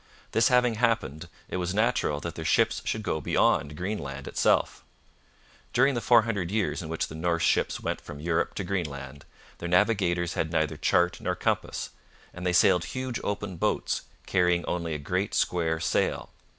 This having happened, it was natural that their ships should go beyond Greenland itself. During the four hundred years in which the Norse ships went from Europe to Greenland, their navigators had neither chart nor compass, and they sailed huge open boats, carrying only a great square sail.